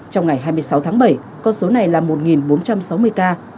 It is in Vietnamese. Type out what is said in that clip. trong ngày hai mươi sáu tháng bảy con số này là một bốn trăm sáu mươi ca